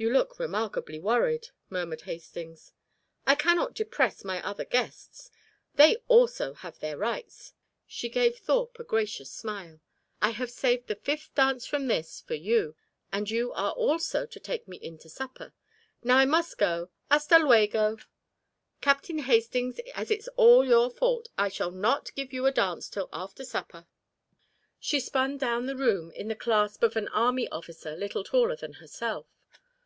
"You look remarkably worried," murmured Hastings. "I cannot depress my other guests. They also have their rights." She gave Thorpe a gracious smile. "I have saved the fifth dance from this for you, and you are also to take me in to supper. Now I must go. Hasta luego! Captain Hastings, as it's all your fault, I shall not give you a dance till after supper." She spun down the room in the clasp of an army officer little taller than herself.